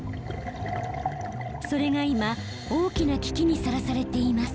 それが今大きな危機にさらされています。